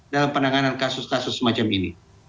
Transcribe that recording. dalam penanganan kasus kasus semacam ini